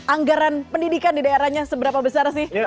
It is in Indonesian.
anggaran pendidikan di daerahnya seberapa besar sih